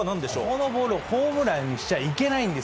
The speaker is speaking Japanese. このボールをホームランにしちゃいけないんです。